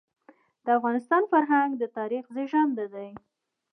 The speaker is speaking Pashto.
د افغانستان فرهنګ د تاریخ زېږنده دی.